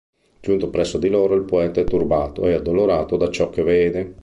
Giunto presso di loro, il poeta è turbato e addolorato da ciò che vede.